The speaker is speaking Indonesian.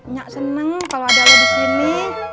nya seneng kalau ada lo disini